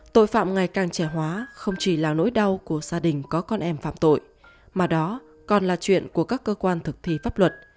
tội phạm ngày càng trẻ hóa không chỉ là nỗi đau của gia đình có con em phạm tội mà đó còn là chuyện của các cơ quan thực thi pháp luật